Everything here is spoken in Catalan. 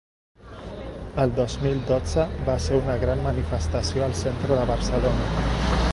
El dos mil dotze, va ser una gran manifestació al centre de Barcelona.